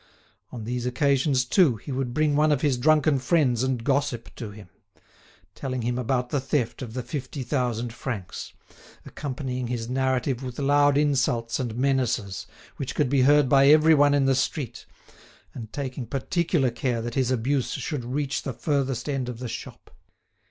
On these occasions, too, he would bring one of his drunken friends and gossip to him; telling him about the theft of the fifty thousand francs, accompanying his narrative with loud insults and menaces, which could be heard by everyone in the street, and taking particular care that his abuse should reach the furthest end of the shop.